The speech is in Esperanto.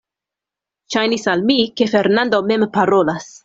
Ŝajnis al mi, ke Fernando mem parolas.